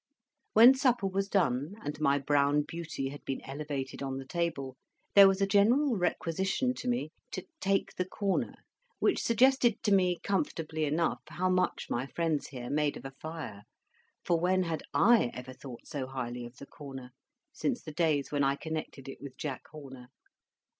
When supper was done, and my brown beauty had been elevated on the table, there was a general requisition to me to "take the corner;" which suggested to me comfortably enough how much my friends here made of a fire, for when had I ever thought so highly of the corner, since the days when I connected it with Jack Horner?